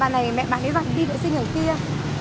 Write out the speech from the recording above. bà này mẹ bà ấy vặn đi đợi xin ở kia